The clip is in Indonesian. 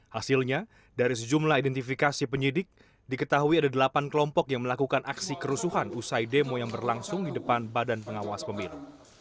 hasilnya dari sejumlah identifikasi penyidik diketahui ada delapan kelompok yang melakukan aksi kerusuhan usai demo yang berlangsung di depan badan pengawas pemilu